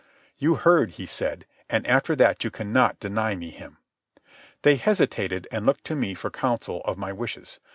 "You heard," he said. "And after that you cannot deny me him." They hesitated and looked to me for counsel of my wishes.